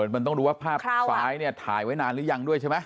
มันต้องดูว่าภาพซ้ายเนี่ยถ่ายไว้นานหรือยังด้วยใช่ไหม